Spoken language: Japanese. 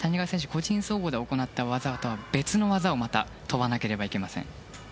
個人総合で行った技と別の技を跳ばなければいけません。